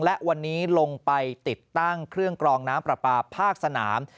และวันนี้ลงไปติดตั้งเครื่องกรองน้ำปลาปลาภาคสนาม